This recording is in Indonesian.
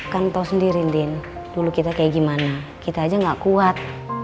kan tahu sendiri din dulu kita kayak gimana kita aja gak kuat